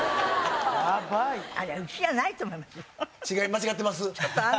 間違ってます？